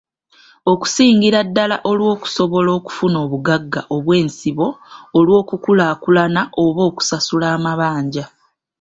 Okusingira ddala olw'okusobola okufuna obugagga obw'ensibo olw'okukulaakulana oba okusasula amabanja.